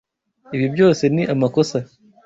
Ibi byose ni amakosa.